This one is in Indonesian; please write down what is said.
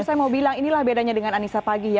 saya mau bilang inilah bedanya dengan anissa pagi ya